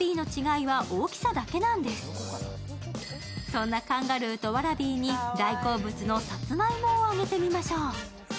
そんなカンガルーとワラビーに大好物のさつまいもをあげてみましょう。